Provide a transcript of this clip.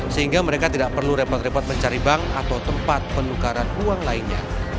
sehingga mereka tidak perlu repot repot mencari bank atau tempat penukaran uang lainnya